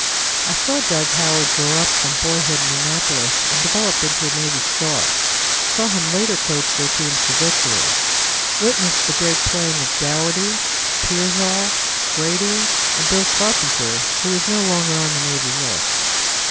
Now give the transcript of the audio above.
I saw Dug Howard grow up from boyhood in Annapolis and develop into a Navy star; saw him later coach their teams to victory; witnessed the great playing of Dougherty, Piersol, Grady and Bill Carpenter, who is no longer on the Navy list.